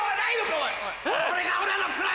おい！